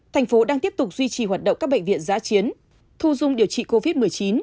thành phố đang tiếp tục duy trì hoạt động các bệnh viện giã chiến thu dung điều trị covid một mươi chín